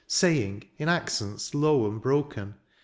Sayings in accents low and broken.